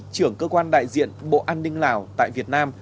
trưởng cơ quan đại diện bộ an ninh lào tại việt nam